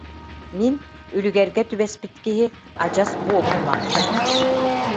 Мин, үлүгэргэ түбэспит киһи, адьас буолуммаппын!